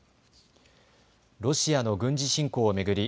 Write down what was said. ロシアの軍事侵攻を巡り